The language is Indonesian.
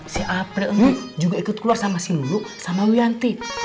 si april ini juga ikut keluar sama si lulu sama wiyanti